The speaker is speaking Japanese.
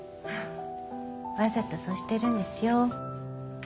わざとそうしてるんですよ。